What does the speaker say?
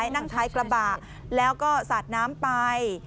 นั่งท้ายกระบะแล้วก็สาดน้ำไป